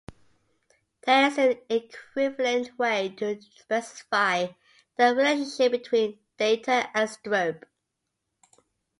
There is an equivalent way to specify the relationship between Data and Strobe.